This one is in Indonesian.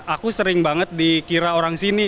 aku sering banget dikira orang sini